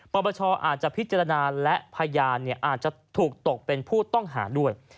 ปปชอาจจะพิจารณาและพยานอาจจะถูกตกเป็นผู้ต้องหาด้วย